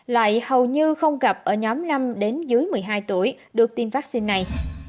lại hầu như không gặp ở nhóm năm đến dưới một mươi hai tuổi được tiêm vaccine này